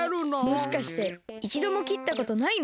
もしかしていちどもきったことないの？